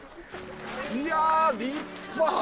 いや立派！